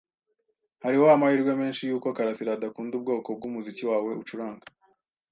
Hariho amahirwe menshi yuko karasira adakunda ubwoko bwumuziki wawe ucuranga.